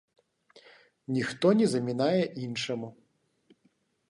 Ніхто не замінае іншаму.